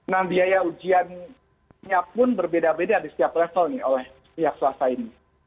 nah biaya ujiannya pun berbeda beda di setiap level nih oleh pihak swasta ini